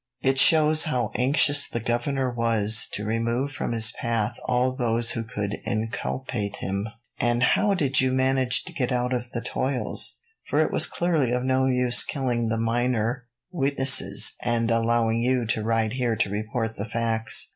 It shows how anxious the governor was to remove from his path all those who could inculpate him. "And how did you manage to get out of the toils? For it was clearly of no use killing the minor witnesses, and allowing you to ride here to report the facts."